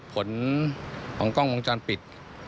ผลของกล้องวงจรปิด